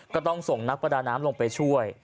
ก็ต้องส่งนักประดาน้ำลงไปช่วย